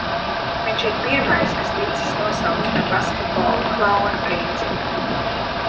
Viņš ir pirmais, kas ticis nosaukts par basketbola klauna princi.